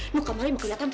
nuka mali mau keliatan